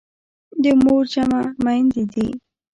د مور جمع میندي دي.